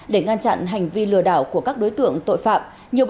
để ngăn chặn hành vi lừa đảo của các đối tượng tội phạm